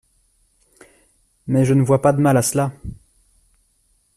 Mais je ne vois pas de mal à cela…